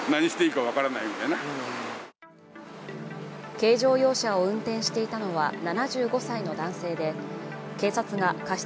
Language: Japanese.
軽乗用車を運転していたのは７５歳の男性で、警察が過失